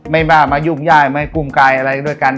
บ้ามายุ่งย่ายไม่กุ้งกายอะไรด้วยกัน